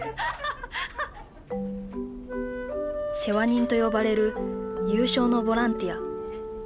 「世話人」と呼ばれる有償のボランティア。